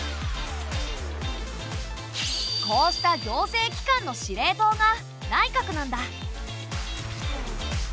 こうした行政機関の司令塔が内閣なんだ。